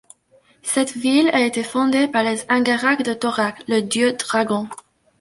Cette ville a été fondée par les Angaraks de Torak, le dieu dragon.